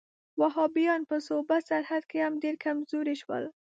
وهابیان په صوبه سرحد کې هم ډېر کمزوري شول.